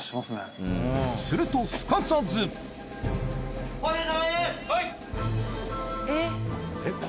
するとすかさずはい。